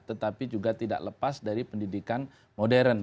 tetapi juga tidak lepas dari pendidikan modern